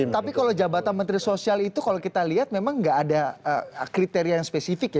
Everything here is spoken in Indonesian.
tapi kalau jabatan menteri sosial itu kalau kita lihat memang nggak ada kriteria yang spesifik ya